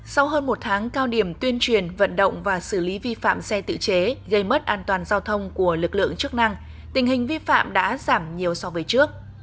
sau hơn một tháng cao điểm tuyên truyền vận động và xử lý vi phạm xe tự chế gây mất an toàn giao thông của lực lượng chức năng tình hình vi phạm đã giảm nhiều so với trước